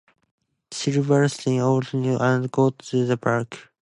Siversen auditioned, and got the part.